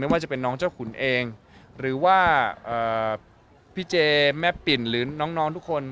ว่าจะเป็นน้องเจ้าขุนเองหรือว่าพี่เจแม่ปิ่นหรือน้องทุกคน